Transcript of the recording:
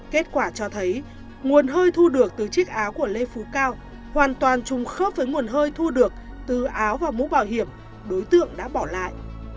kết quả cho thấy nguồn hơi thu được từ chiếc áo của lê phú cao hoàn toàn trùng khớp với nguồn hơi thu được từ áo và mũ bảo hiểm đối tượng đã bỏ lại